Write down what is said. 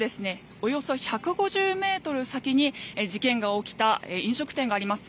およそ１５０ｍ先に事件が起きた飲食店があります。